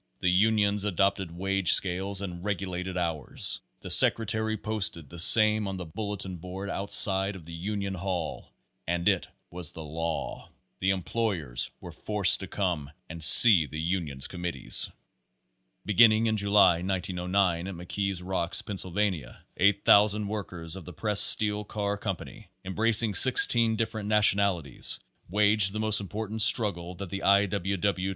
The unions adopted wage scales and regulated hours. The secre tary posted the same on a bulletin board outside of the union hall, and it was the LAW. The employers were forced to come and see the union's committees. Beginning in July, 1909, at McKees Rocks, Penn sylvania, 8,000 workers of the Pressed Steel Car Com pany, embracing sixteen different nationalities, waged the most important struggle that the I. W. W.